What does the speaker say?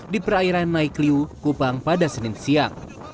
di perairan naikliu kupang pada senin siang